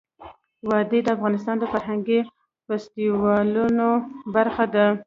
وادي د افغانستان د فرهنګي فستیوالونو برخه ده.